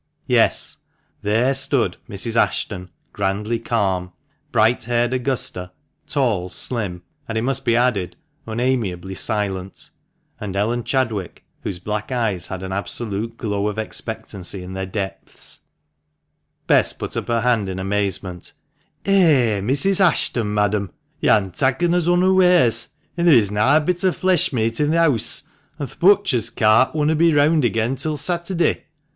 Yes, there stood Mrs. Ashton, grandly calm ; bright haired Augusta, tall, slim, and, it must be added, unamiably silent ; and Ellen Chadwick, whose black eyes had an absolute glow of expectancy in their depths. Bess put up her hand in amazement. " Eh, Mrs. Ashton, madam ! Yo' han takken us unawares ! An' theer is na a bit o' flesh meat i' th' heause, an' th' butcher's cart wunna be reawnd agen till Setterday